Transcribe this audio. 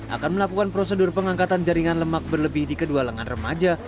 akan melakukan prosedur pengangkatan jaringan lemak berlebih di kedua lengan remaja